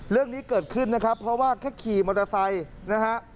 เรื่องนี้เกิดขึ้นนะครับเพราะว่าแค่ขี่มอเตอร์ไซค์นะฮะ